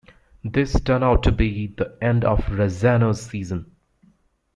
This turned out to be the end of Razzano's season.